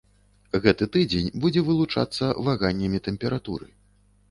Гэты тыдзень будзе вылучацца ваганнямі тэмпературы.